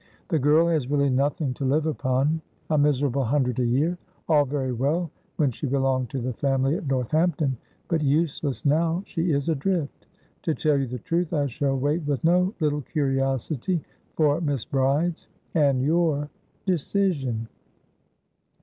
The girl has really nothing to live upon; a miserable hundred a year; all very well when she belonged to the family at Northampton, but useless now she is adrift. To tell you the truth, I shall wait with no little curiosity for Miss Bride'sand yourdecision."